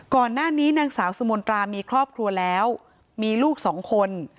ก่อนหน้านี้นางสาวสมนตรามีครอบครัวแล้วมีลูกสองคน